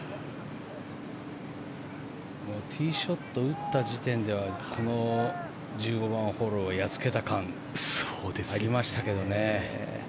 ティーショットを打った時点では１５番ホールをやっつけた感がありましたけどね。